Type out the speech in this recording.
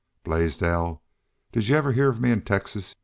"Blaisdell, did y'u ever heah of me in Texas?"